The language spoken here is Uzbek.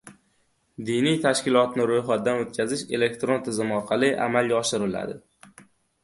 Diniy tashkilotni ro‘yxatdan o‘tkazish elektron tizim orqali amalga oshiriladi